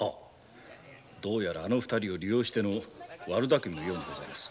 どうやらあの二人を利用しての悪だくみのようでございます。